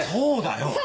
そうだよ！